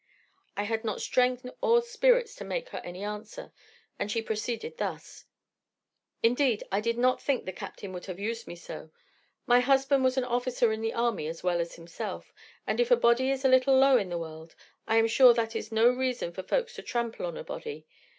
I had not strength or spirits to make her any answer, and she proceeded thus: 'Indeed I did not think the captain would have used me so. My husband was an officer of the army as well as himself; and if a body is a little low in the world, I am sure that is no reason for folks to trample on a body.